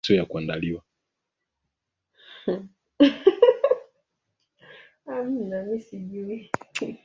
Rais wa Tanzania ana wizara tatu ambazo zinajulikana